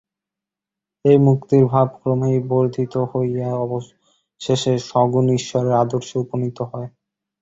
এই মুক্তির ভাব ক্রমেই বর্ধিত হইয়া অবশেষে সগুণ ঈশ্বরের আদর্শে উপনীত হয়।